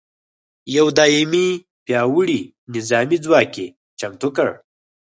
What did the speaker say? یو دایمي پیاوړي نظامي ځواک یې چمتو کړ.